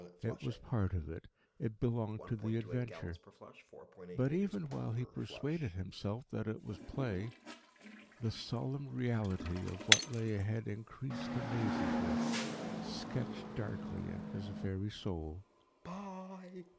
It was part of it, it belonged to the adventure. But, even while he persuaded himself that it was play, the solemn reality, of what lay ahead increased amazingly, sketched darkly in his very soul.